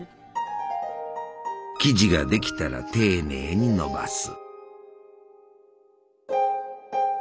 生地ができたら丁寧にのばす。